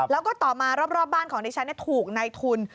แล้วก็ต่อมารอบบ้านของดิฉันถูกในทุน